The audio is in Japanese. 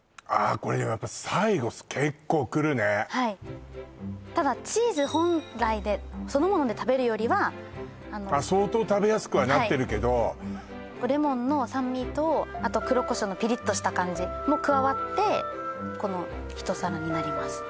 これやっぱはいただチーズ本来でそのもので食べるよりはあのあっ相当食べやすくはなってるけどレモンの酸味とあと黒胡椒のぴりっとした感じも加わってこの一皿になります